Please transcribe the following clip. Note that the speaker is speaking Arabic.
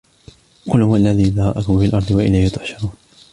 قُلْ هُوَ الَّذِي ذَرَأَكُمْ فِي الْأَرْضِ وَإِلَيْهِ تُحْشَرُونَ